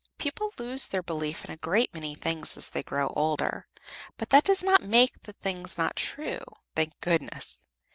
People lose their belief in a great many things as they grow older; but that does not make the things not true, thank goodness!